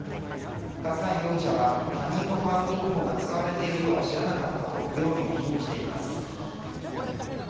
春日井容疑者は他人のカード情報が使われているとは知らなかったと容疑を否認しています。